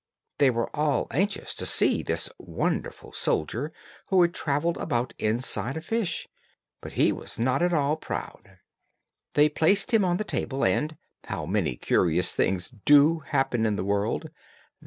They were all anxious to see this wonderful soldier who had travelled about inside a fish; but he was not at all proud. They placed him on the table, and how many curious things do happen in the world!